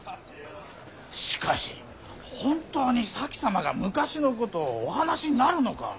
しかし本当に前様が昔のことをお話しになるのか。